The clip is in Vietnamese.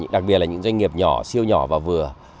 đặc biệt là những doanh nghiệp nhỏ siêu nhỏ và vừa